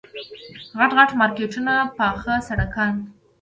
غټ غټ مارکېټونه پاخه سړکان.